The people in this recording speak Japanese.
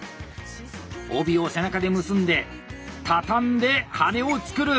帯を背中で結んで畳んで羽根を作る！